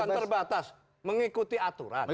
bukan terbatas mengikuti aturan